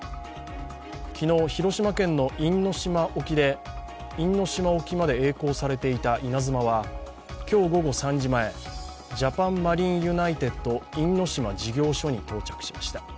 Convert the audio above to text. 昨日、広島県の因島沖までえい航されていた「いなづま」は今日午後３時前、ジャパンマリンユナイテッド因島事業所に到着しました。